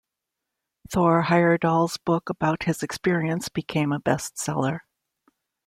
Thor Heyerdahl's book about his experience became a bestseller.